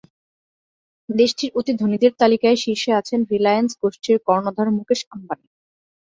দেশটির অতি ধনীদের তালিকায় শীর্ষে আছেন রিলায়েন্স গোষ্ঠীর কর্ণধার মুকেশ আম্বানি।